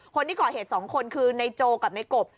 คนที่ก่อเหตุ๒คนคือในโจกับในกบ